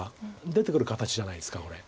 出てくる形じゃないですかこれ。